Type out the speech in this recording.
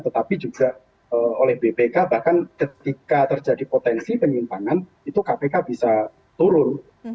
tetapi juga oleh bpk bahkan ketika terjadi potensi penyimpangan itu kpk bisa turun